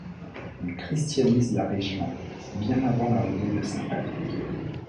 Il christianise la région — bien avant l’arrivée de saint Patrick.